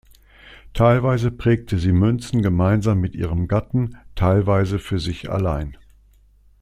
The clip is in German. Teilweise prägte sie Münzen gemeinsam mit ihrem Gatten, teilweise für sich allein.